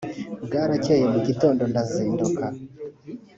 Bwarakeye mu gitondo ndazinduka